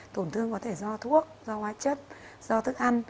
tổn thương có thể do thuốc do hóa chất do thức ăn